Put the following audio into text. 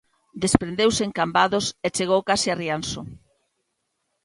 Desprendeuse en Cambados e chegou case a Rianxo.